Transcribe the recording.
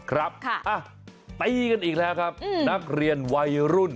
ครับตีกันอีกแล้วครับนักเรียนวัยรุ่น